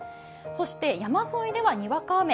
そして山沿いではにわか雨。